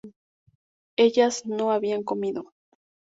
Ellas no habían comido